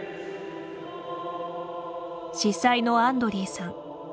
司祭のアンドリーさん。